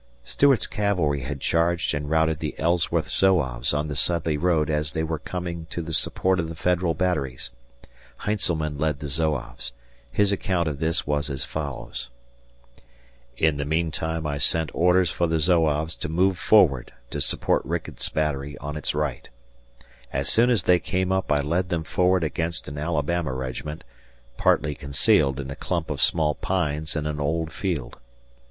Stuart's cavalry had charged and routed the Ellsworth Zouaves on the Sudley road as they were coming to the support of the Federal batteries. Heintzelman led the Zouaves. His account of this was as follows. In the meantime I sent orders for the Zouaves to move forward to support Ricketts' battery on its right. As soon as they came up I led them forward against an Alabama regiment, partly concealed in a clump of small pines in an old field.